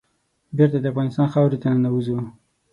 بېرته د افغانستان خاورې ته ننوزو.